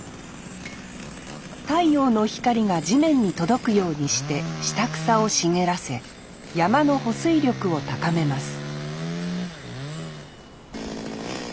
太陽の光が地面に届くようにして下草を茂らせ山の保水力を高めます